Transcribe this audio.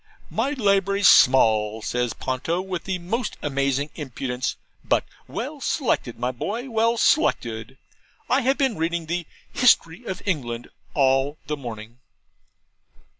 'My library's small, says Ponto, with the most amazing impudence, 'but well selected, my boy well selected. I have been reading the "History of England" all the morning.'